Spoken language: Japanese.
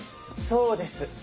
そうです！